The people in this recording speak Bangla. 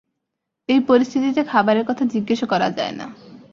এই পরিস্থিতিতে খাবারের কথা জিজ্ঞেসও করা যায় না।